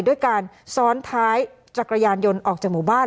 ด้วยการซ้อนท้ายจักรยานยนต์ออกจากหมู่บ้าน